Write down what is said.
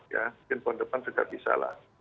mungkin tahun depan sudah bisa lah